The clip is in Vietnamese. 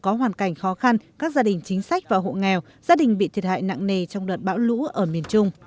có hoàn cảnh khó khăn các gia đình chính sách và hộ nghèo gia đình bị thiệt hại nặng nề trong đợt bão lũ ở miền trung